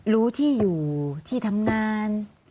รู้ที่อยู่ที่ทำงาน